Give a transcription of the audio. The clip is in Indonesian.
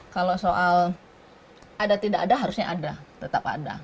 kalau soal ada tidak ada harusnya ada tetap ada